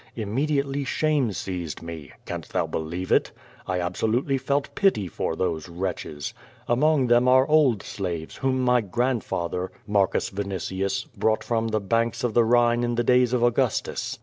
Immediately shame seized me. Canst thou believe it? I absolutely felt pity for those wretches. Among them are old slaves, whom my gmndfather, M. Vinitius, brought from the banks of the llhine in the days of Augustus.